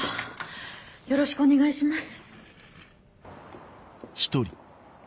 よろしくお願いします。